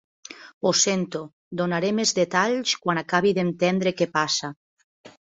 Ho sento, donaré més detalls quan acabi d'entendre què passa.